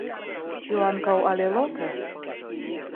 Ĉu ankaŭ aliloke?